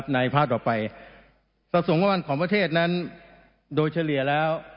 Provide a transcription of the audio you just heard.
ในภาพต่อไปสัดส่วนงบประมาณของประเทศนั้นโดยเฉลี่ยแล้ว